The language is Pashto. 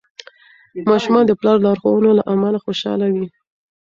ماشومان د پلار لارښوونو له امله خوشحال وي.